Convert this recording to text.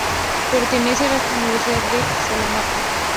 Pertenece a la Universidad de Salamanca.